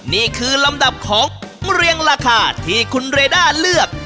นี่คือลำดับของเรียงราคาที่คุณเรด้าเลือก